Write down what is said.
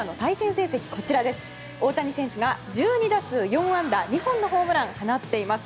大谷選手、１２打数４安打２本のホームランを放っています。